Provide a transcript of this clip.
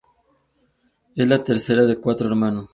Es la tercera de cuatro hermanos.